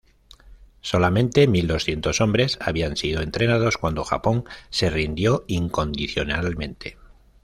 Solamente mil doscientos hombres habían sido entrenados cuando Japón se rindió incondicionalmente.